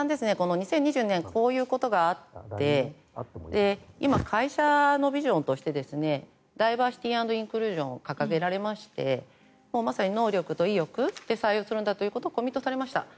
２０２２年こういうことがあって今、会社のビジョンとしてダイバーシティー・アンド・インクルージョンを掲げられましてまさに能力と意欲で採用するんだということをコミットされました。